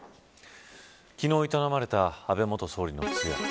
昨日営まれた安倍元総理の通夜。